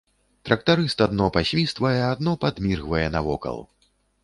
Трактарыст адно пасвіствае, адно падміргвае навокал.